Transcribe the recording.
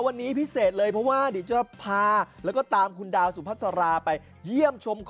วันนี้พาคุณผู้ชมโปรดการ์ดมาช่างสนุก